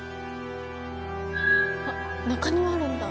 あっ中庭あるんだ。